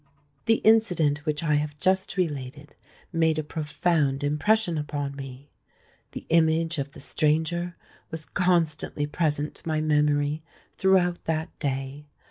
The incident which I have just related made a profound impression upon me. The image of the stranger was constantly present to my memory throughout that day.